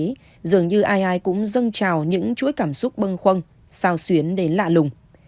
như thế dường như ai ai cũng dâng trào những chuỗi cảm xúc bâng khoăn sao xuyến đến lạ lùng